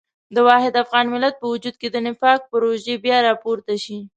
د واحد افغان ملت په وجود کې د نفاق پروژې بیا راپورته شي.